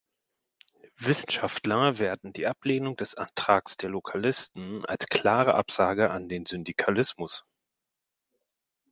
Wissenschaftler werten die Ablehnung des Antrags der "Lokalisten" als klare Absage an den Syndikalismus.